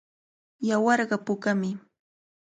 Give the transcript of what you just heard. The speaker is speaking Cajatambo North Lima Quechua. Yawarqa pukami.